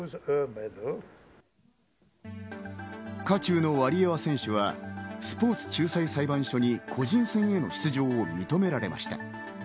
渦中のワリエワ選手は、スポーツ仲裁裁判所に個人戦への出場を認められました。